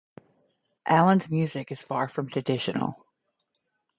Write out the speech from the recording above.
Allen's music is far from traditional.